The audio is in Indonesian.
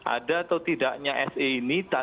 ada atau tidaknya se ini